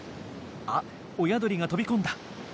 あっ親鳥が飛び込んだ！